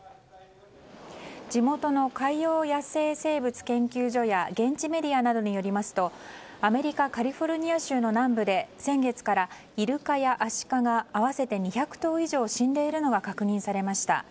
地元の海洋野生生物研究所や現地メディアなどによりますとアメリカカリフォルニア州の南部で先月からイルカやアシカが合わせて２００頭以上死んでいるのが確認されました。